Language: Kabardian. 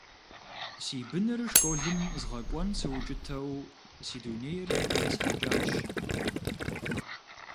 Си быныр школым згъэкӀуэн сыукӀытэу си дунейр есхьэкӀащ.